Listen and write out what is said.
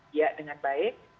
iya dengan baik